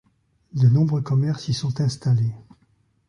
De nombreux commerces y sont installés.